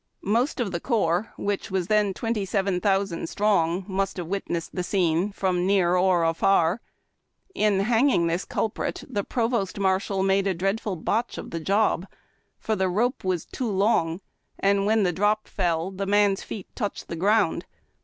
Most of the corps, which was then twenty seven thousand strong, must have wit nessed the scene, from near or afar. In hanging the cul prit the provost marshal made a dreadful botch of the job, for the rope was too long, and when the drop fell the man's feet touched the ground.